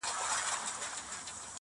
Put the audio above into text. حمزه که شاعري شوه دتا نیا او ته نیکه شوې